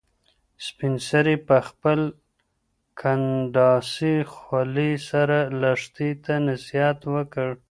سپین سرې په خپلې کنډاسې خولې سره لښتې ته نصیحت وکړ.